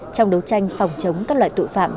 trong đấu tranh phòng chống các loại tội phạm